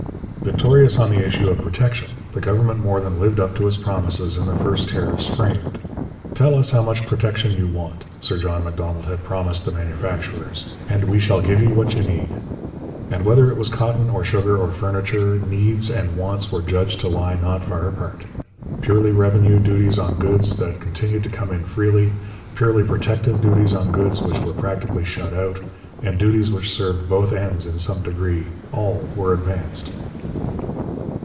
Victorious on the issue of protection, the Government more than lived up to its promises in the first tariffs framed. 'Tell us how much protection you want,' Sir John Macdonald had promised the manufacturers, 'and we shall give you what you need.' And whether it was cotton or sugar or furniture, needs and wants were judged to lie not far apart. Purely revenue duties on goods that continued to come in freely, purely protective duties on goods which were practically shut out, and duties which served both ends in some degree, all were advanced.